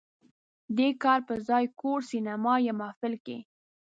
"د کار په ځای، کور، سینما یا محفل" کې